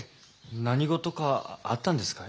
何事かあったんですかい？